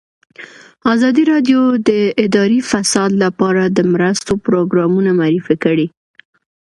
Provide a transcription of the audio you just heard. ازادي راډیو د اداري فساد لپاره د مرستو پروګرامونه معرفي کړي.